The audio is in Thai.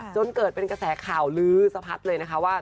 จนเกิดเป็นกระแสข่าวลื้อสะพัดเลยนะคะว่า